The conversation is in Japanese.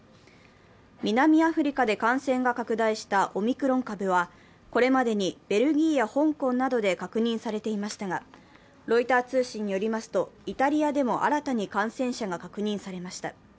南アフリカで感染が拡大したオミクロン株はこれまでにベルギーや香港などで確認されていましたが、ロイター通信によりますと、イタリアでも新たに感染者が確認されました。